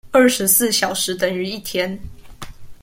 二十四小時等於一天